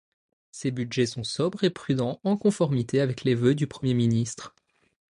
Ces budgets sont sobres et prudents en conformité avec les vœux du premier ministre.